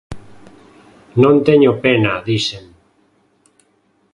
_Non teño pena _dixen_.